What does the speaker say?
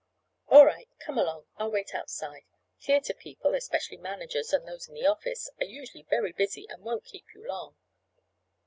"All right, come along. I'll wait outside. Theatre people, especially managers and those in the office, are usually very busy and won't keep you long."